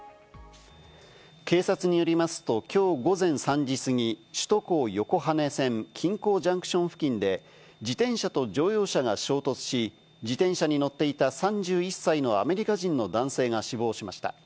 警察によりますと、きょう午前３時過ぎ、首都高横羽線、金港ジャンクション付近で自転車と乗用車が衝突し、自転車に乗っていた３１歳のアメリカ人の男性が死亡しました。